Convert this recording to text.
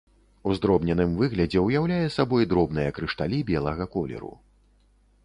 У здробненым выглядзе ўяўляе сабой дробныя крышталі белага колеру.